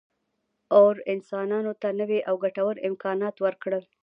اور انسانانو ته نوي او ګټور امکانات ورکړل.